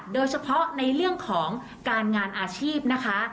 โดยเฉพาะในเรื่องของการงานอาชีพนะคะ